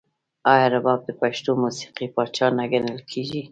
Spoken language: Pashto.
آیا رباب د پښتو موسیقۍ پاچا نه ګڼل کیږي؟